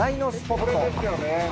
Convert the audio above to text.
これですよね。